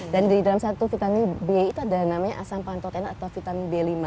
dan di dalam satu vitamin b itu ada namanya asam pantotena atau vitamin b lima